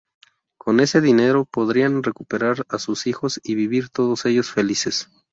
Con ese dinero podrían recuperar a sus hijos y vivir todos ellos felices.